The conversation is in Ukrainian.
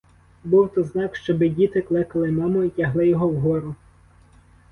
Був то знак, щоби діти кликали маму і тягли його вгору.